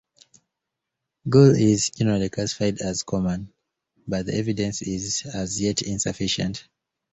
Gule is generally classified as Koman, but the evidence is as yet insufficient.